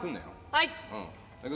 はい！